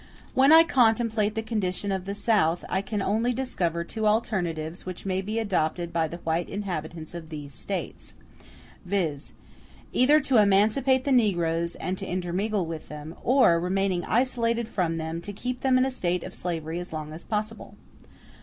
When I contemplate the condition of the South, I can only discover two alternatives which may be adopted by the white inhabitants of those States; viz., either to emancipate the negroes, and to intermingle with them; or, remaining isolated from them, to keep them in a state of slavery as long as possible.